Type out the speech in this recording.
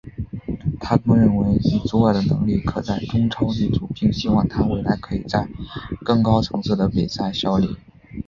他更认为以祖尔的能力可在中超立足并希望他未来可以在更高层次的比赛效力。